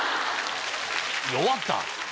終わった。